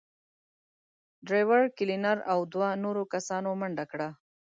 ډرېور، کلينر او دوو نورو کسانو منډه کړه.